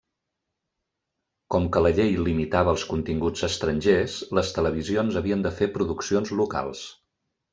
Com que la llei limitava els continguts estrangers, les televisions havien de fer produccions locals.